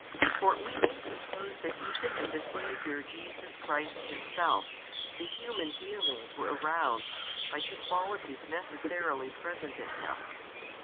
For we may suppose that even in the Saviour Jesus Christ Himself the human feelings were aroused by two qualities necessarily present in Him.